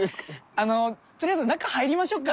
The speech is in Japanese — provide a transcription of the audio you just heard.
あのとりあえず中入りましょうか。